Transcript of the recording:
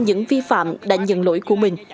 những vi phạm đã nhận lỗi của mình